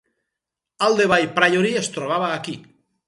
Aldeby Priory es trobava aquí.